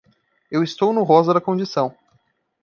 Eu estou no rosa da condição.